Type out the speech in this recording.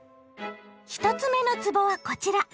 １つ目のつぼはこちら。